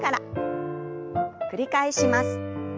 繰り返します。